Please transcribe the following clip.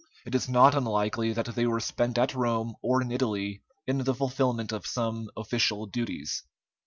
It is not unlikely that they were spent at Rome or in Italy in the fulfilment of some official duties.